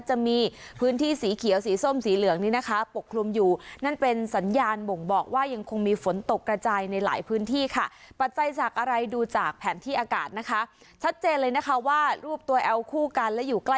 จะมีพื้นที่สีเขียวสีส้มสีเหลืองนี่นะคะปกคลุมอยู่